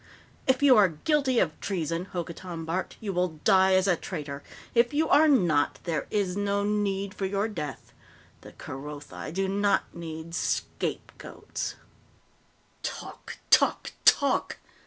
"If you are guilty of treason," Hokotan barked, "you will die as a traitor! If you are not, there is no need for your death. The Kerothi do not need scapegoats!" "Talk, talk, talk!"